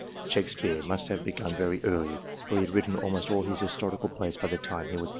Shakespeare must have begun very early, for he had written almost all his historical plays by the time he was 34.